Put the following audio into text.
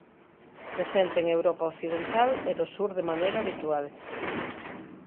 Presente en Europa Occidental e do Sur de maneira habitual.